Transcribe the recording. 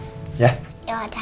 nunggu lukanya papa bersih dulu